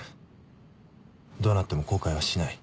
どうなっても後悔はしない。